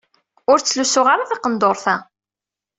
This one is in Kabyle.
Ur ttlusuɣ ara taqenduṛt-a.